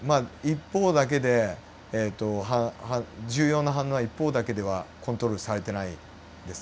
一方だけで重要な反応は一方だけではコントロールされてないんですね